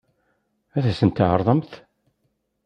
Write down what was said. Ad sent-t-tɛeṛḍem?